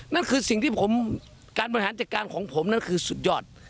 นั่นคือสิ่งที่ผมการบริหารจัดการของผมนั่นคือสุดยอด